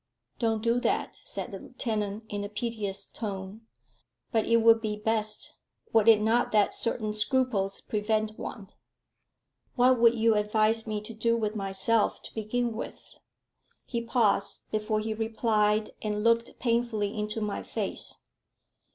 "Don't do that," said the lieutenant, in a piteous tone. "But it would be best, were it not that certain scruples prevent one. What would you advise me to do with myself, to begin with?" He paused before he replied, and looked painfully into my face.